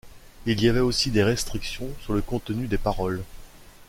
Il y avait aussi des restrictions sur le contenu des paroles.